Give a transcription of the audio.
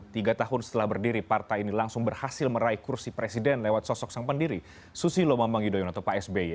tiga tahun setelah berdiri partai ini langsung berhasil meraih kursi presiden lewat sosok sang pendiri susilo bambang yudhoyono atau pak sby